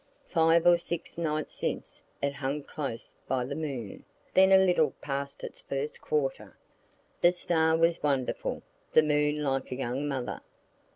Five or six nights since, it hung close by the moon, then a little past its first quarter. The star was wonderful, the moon like a young mother.